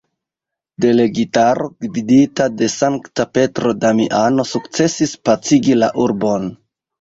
Delegitaro, gvidita de sankta Petro Damiano sukcesis pacigi la urbon.